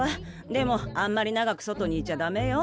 でもあんまり長く外にいちゃダメよ。